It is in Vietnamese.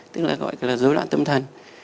tức là gọi là rối loạn tâm thần